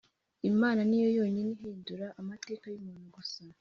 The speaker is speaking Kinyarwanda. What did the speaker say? imana niyo yonyine ihindura amateka y’umuntu gusa